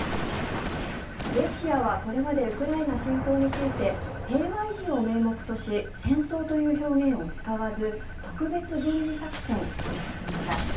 ロシアはこれまでウクライナ侵攻について平和維持を名目とし戦争という表現を使わず特別軍事作戦としてきました。